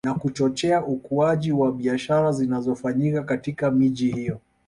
Na kuchochea ukuaji wa biashara zinazofanyika katika miji hiyo